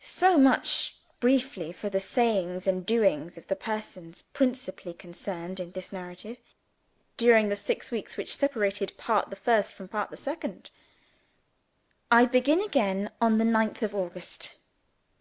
So much, briefly, for the sayings and doings of the persons principally concerned in this narrative, during the six weeks which separate Part the First from Part the Second. I begin again on the ninth of August.